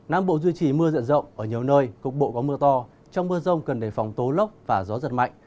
năm bộ duy trì mưa rải rác